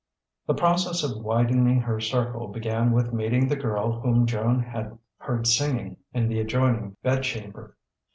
The process of widening her circle began with meeting the girl whom Joan had heard singing in the adjoining bedchamber.